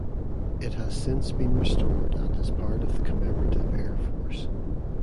It has since been restored and is part of the Commemorative Air Force.